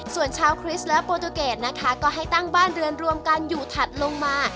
ส่วนชาวคริสต์และโปรตูเกดนะคะก็ให้ตั้งบ้านเรือนรวมกันอยู่ถัดลงมา